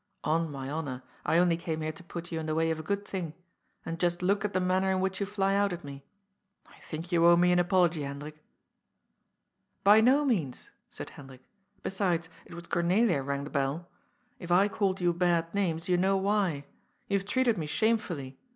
On my honour, I only came here to put you in the way of a good thing. And just look at the manner in which you fly out at me. I think you owe me an apology, Hendrik." " By no means," said Hendrik. " Besides, it was Cornelia rang the bell. If I called you bad names, you know why. You have treated me shamefully.